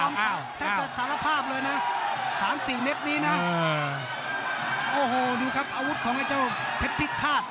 ยอมแทบสารภาพเลยนะสามสี่เม็ดนี้นะโอ้โหดูครับอาวุธของไอ้เจ้าเผ็ดพิฆาต